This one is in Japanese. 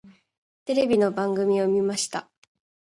テレビの番組を見ました。